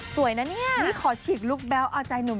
สวยนะเนี่ยนี่ขอฉีกลุคแบ๊วเอาใจหนุ่ม